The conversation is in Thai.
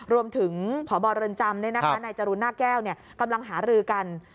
รวมถึงพบเรือนจำนายจรูนหน้าแก้วกำลังหารือกัน